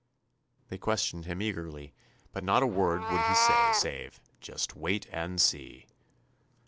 They questioned him eagerly, but not a word would he say, save, "Just wait and see."